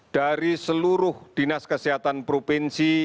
dari seluruh dinas kesehatan provinsi